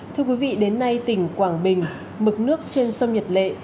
thưa quý vị đến nay tỉnh quảng bình mực nước trên sông nhật lệ